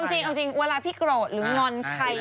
จริงเอาจริงเวลาพี่โกรธหรืองอนใคร